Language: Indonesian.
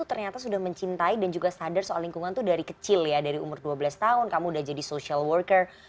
ternyata sudah mencintai dan juga sadar soal lingkungan tuh dari kecil ya dari umur dua belas tahun kamu udah jadi social worker